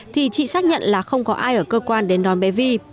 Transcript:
thì chị xác nhận là không có ai ở cơ quan đến đón bé vi